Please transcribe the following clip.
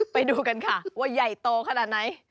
ไปดูกันค่ะว่าใหญ่โตขนาดไหน